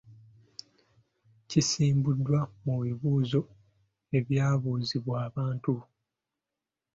Kisimbuddwa mu bibuuzou. ebyabuuzibwa abantu.